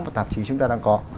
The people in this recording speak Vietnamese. các báo và tạp chí chúng ta đang có